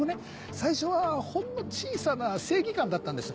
最初はほんの小さな正義感だったんです。